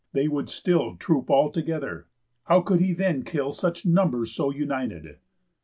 They would still Troop all together. How could he then kill Such numbers so united?"